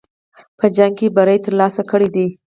په جنګ کې بری ترلاسه کړی دی.